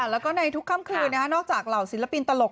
แล้วก็ในทุกค่ำคืนนอกจากเหล่าศิลปินตลก